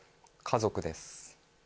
家族です